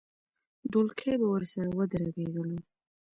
ډولکی به ورسره ودربېدلو.